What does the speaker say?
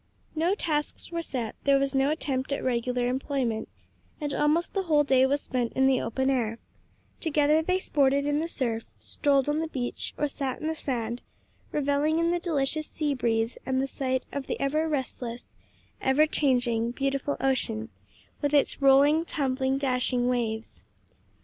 No tasks were set, there was no attempt at regular employment, and almost the whole day was spent in the open air; together they sported in the surf, strolled on the beach, or sat in the sand revelling in the delicious sea breeze and the sight of the ever restless, ever changing, beautiful ocean, with its rolling, tumbling, dashing waves.